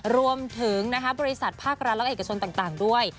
รวมถึงบริษัทภาครัฐและเอกชนต่างด้วย